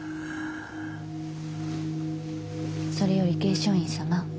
それより桂昌院様。